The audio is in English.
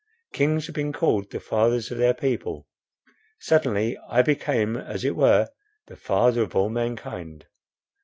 Kings have been called the fathers of their people. Suddenly I became as it were the father of all mankind.